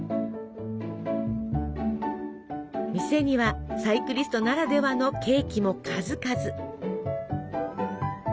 店にはサイクリストならではのケーキも数々。